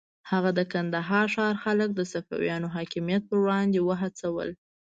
هغه د کندهار ښار خلک د صفویانو حاکمیت پر وړاندې وهڅول.